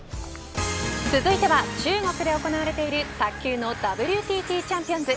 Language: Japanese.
続いては中国で行われている卓球のＷＴＴチャンピオンズ。